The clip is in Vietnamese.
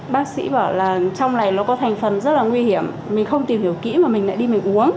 bác sĩ bảo là trong này nó có thành phần rất là nguy hiểm mình không tìm hiểu kỹ mà mình lại đi mình uống